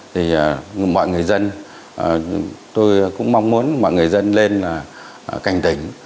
thì mọi người dân tôi cũng mong muốn mọi người dân lên cảnh tỉnh